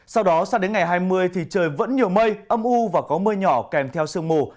sau đó sang đến ngày hai mươi thì trời vẫn nhiều mây âm u và có mưa nhỏ kèm theo sương mù